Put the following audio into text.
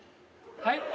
はい？